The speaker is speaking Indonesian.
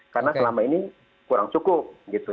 karena selama ini kurang cukup gitu